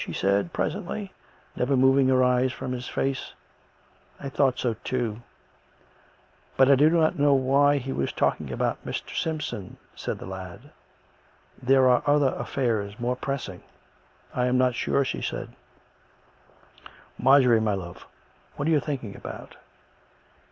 " she said presently, never moving her eyes from his face. " I thought so, too." " But I do not know why we are talking about Mr. Simp son," said the lad. " There are other affairs more press ing." " I am not sure," said she. " Marjorie, my love, what are you thinking about.''"